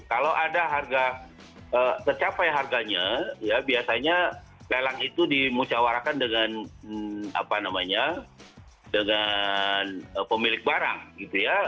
kalau ada harga tercapai harganya ya biasanya lelang itu dimusyawarakan dengan apa namanya dengan pemilik barang gitu ya